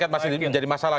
masih jadi masalah